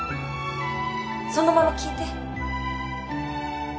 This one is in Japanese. そのまま聞いて。